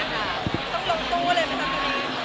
ต้องลงตู้เลยไหมคะ